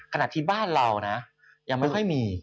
ขนาดที่บ้านเรานะยังไม่ค่อยมี